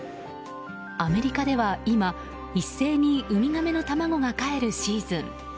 アメリカでは今、一斉にウミガメの卵がかえるシーズン。